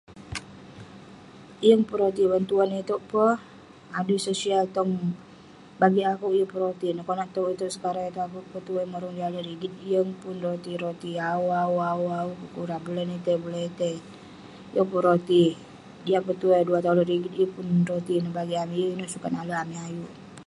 Yeng pun roti bantuan iteuk peh. Adui sia-sia tong- bagi akeuk yeng pun roti neh. Konak toq iteuk, sekarang iteuk akeuk ke tuai morong juk alek rigit yeng pun roti-roti awu awu awu awu pe kurah, bulan itei bulan itei, yeng pun roti. Jiak peh tuai duah tolouk rigit yeng roti neh bagik amik, yeng ineuk sukat nalek amik ayuk.